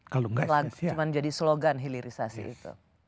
cuma jadi slogan hilirisasi itu